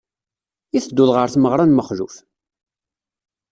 I tedduḍ ɣer tmeɣra n Mexluf?